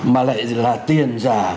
mà lại là tiền giả